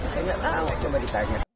saya nggak tahu coba ditanya